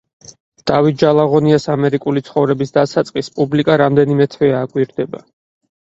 დავით ჯალაღონიას ამერიკული ცხოვრების დასაწყისს პუბლიკა რამდენიმე თვეა აკვირდება.